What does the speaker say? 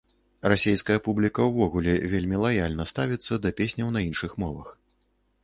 Расейская публіка ўвогуле вельмі лаяльна ставіцца да песняў на іншых мовах.